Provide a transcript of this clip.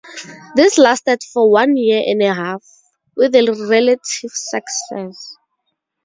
This lasted for one year and a half, with a relative success.